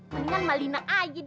mendingan sama lina aja dah